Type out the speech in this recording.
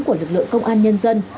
của lực lượng công an nhân dân